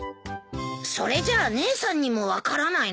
それじゃあ姉さんにも分からないの？